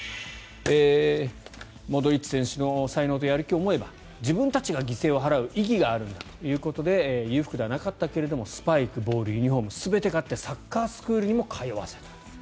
モドリッチ選手の才能とやる気を思えば自分たちが犠牲を払う意義があるんだということで裕福ではなかったけどスパイク、ボール、ユニホーム全て買ってサッカースクールにも通わせた。